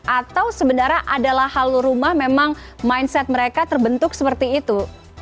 atau sebenarnya adalah halu rumah memang mindset mereka terbentuk seperti itu